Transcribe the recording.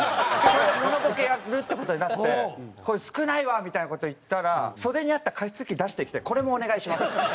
それでモノボケやるって事になって「これ少ないわ！」みたいな事言ったら袖にあった加湿器出してきて「これもお願いします」って。